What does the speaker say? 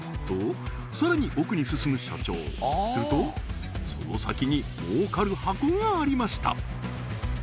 さらに奥に進む社長するとその先に儲かる箱がありました